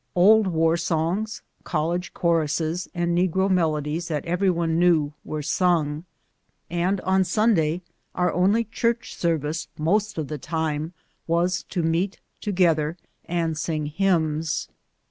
Old war songs, college choruses, and negro melodies, that every one knew, were sung, and on Sunday our only church service most of the time was to meet to gether and sing hymns.